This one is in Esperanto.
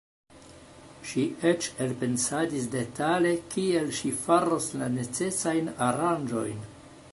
Ŝi eĉ elpensadis detale kiel ŝi faros la necesajn aranĝojn.